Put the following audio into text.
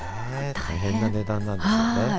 大変な値段なんですよね。